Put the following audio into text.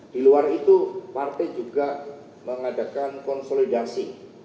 di luar itu partai juga mengadakan konsolidasi